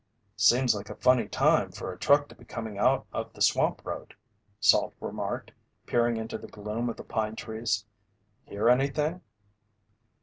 "Seems like a funny time for a truck to be coming out of the swamp road," Salt remarked, peering into the gloom of the pine trees. "Hear anything?"